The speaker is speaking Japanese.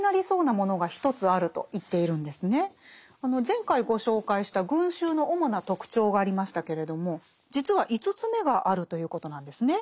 前回ご紹介した群衆の主な特徴がありましたけれども実は５つ目があるということなんですね。